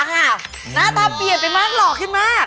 หน้าตาเปลี่ยนไปมากหล่อขึ้นมาก